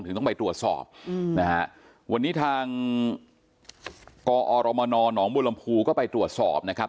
ต้องไปตรวจสอบนะฮะวันนี้ทางกอรมนหนองบัวลำพูก็ไปตรวจสอบนะครับ